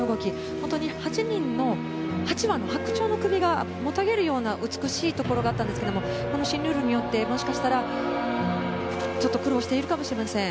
本当に８人の８羽ハクチョウの首がもたげるような美しいところがあったんですがこの新ルールによってもしかしたらちょっと苦労しているかもしれません。